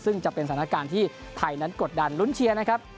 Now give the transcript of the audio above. ซึ่งจะเป็นสถานการณ์ที่ไทยนั้นกดดันลุ้นเชียร์นะครับ